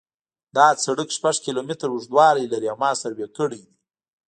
دا سرک شپږ کیلومتره اوږدوالی لري او ما سروې کړی دی